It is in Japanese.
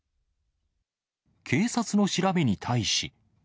警察の調べに対し。